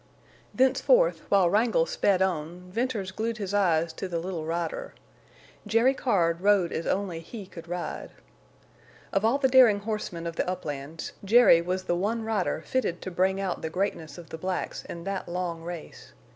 Thenceforth, while Wrangle sped on, Venters glued his eyes to the little rider. Jerry Card rode as only he could ride. Of all the daring horsemen of the uplands, Jerry was the one rider fitted to bring out the greatness of the blacks in that long race.